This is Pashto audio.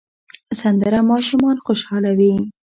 سندره ماشومان خوشحالوي